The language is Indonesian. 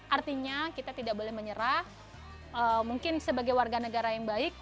artinya kita tidak boleh menyerah mungkin sebagai warga negara yang baik